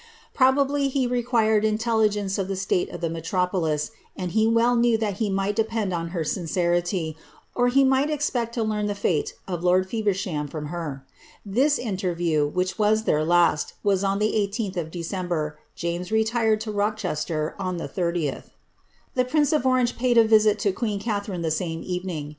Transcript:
Probably he required intelligence of the state of the me tropolian and he well knew that he might depend on her sincerity, or hu might expect to learn the fate of lord Feversham from her. This inter view, which was their last, was on the 18th of December — James retired to Rochester on the 30th. The prince of Orange paid a visit to queen Catharine the same evening.